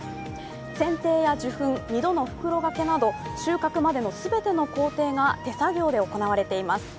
せんていや受粉、二度の袋がけなど収穫までの全ての工程が手作業で行われています。